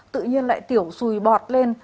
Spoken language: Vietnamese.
tự nhiên lại tiểu xùi bọt lên